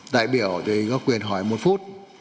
đại biểu thì có quyền hỏi một phút